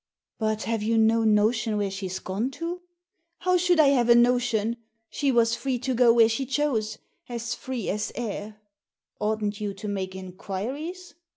"But have you no notion where she's gone to?*' " How should I have a notion ? She was free to go where she chose — as free as air.'* "Oughtn't you to make inquiries?"